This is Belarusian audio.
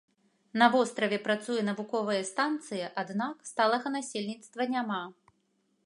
На востраве працуе навуковая станцыя, аднак сталага насельніцтва няма.